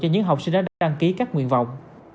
cho những học sinh đã đăng ký các nguyên vọng